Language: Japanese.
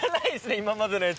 今までのやつの。